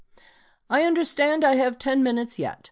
I understand I have ten minutes yet.